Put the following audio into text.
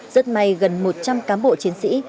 rất may gần một trăm linh cán bộ chiến sĩ